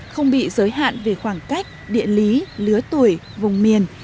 không bị giới hạn về khoảng cách địa lý lứa tuổi vùng miền